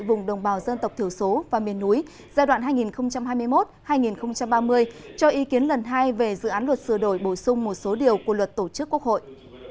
vùng đồng bào dân tộc thiểu số và miền núi giai đoạn hai nghìn hai mươi một hai nghìn ba mươi cho ý kiến lần hai về dự án luật sửa đổi bổ sung một số điều của luật tổ chức quốc hội